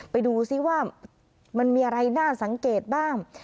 ไปดูซิว่ามันมีอะไรน่าสังเกตบ้าง